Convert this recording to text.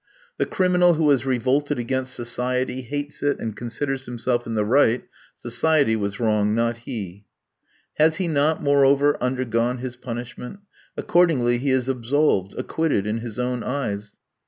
The criminal who has revolted against society, hates it, and considers himself in the right; society was wrong, not he. Has he not, moreover, undergone his punishment? Accordingly he is absolved, acquitted in his own eyes.